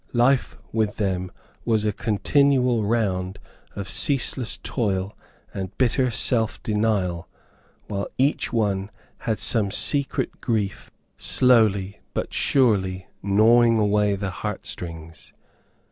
Life with them was a continual round of ceaseless toil and bitter self denial; while each one had some secret grief slowly but surely gnawing away the heart strings.